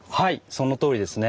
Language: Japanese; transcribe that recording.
そのとおりですね。